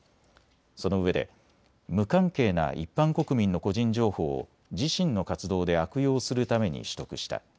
そのうえで無関係な一般国民の個人情報を自身の活動で悪用するために取得した。